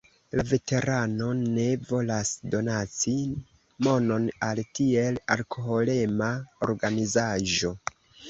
La veterano ne volas donaci monon al tiel alkoholema organizaĵo.